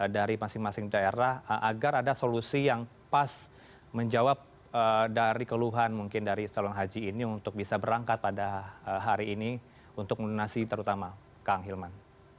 dari masing masing daerah agar ada solusi yang pas menjawab dari keluhan mungkin dari salon haji ini untuk bisa berangkat pada hari ini untuk melunasi terutama kang hilman